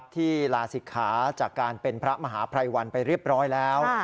ลาศิกขาจากการเป็นพระมหาภัยวันไปเรียบร้อยแล้ว